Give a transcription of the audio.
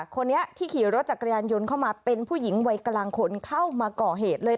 คนนี้ที่ขี่รถจักรยานยนต์เข้ามาเป็นผู้หญิงวัยกลางคนเข้ามาก่อเหตุเลย